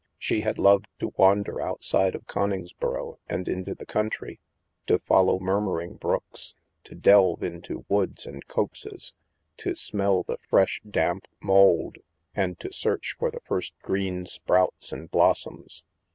She had loved to wander outside of Coningsboro and into the country, to follow mur muring brooks, to delve into woods and copses, to smell the fresh damp mould, and to search for the first green sprouts and blossoms.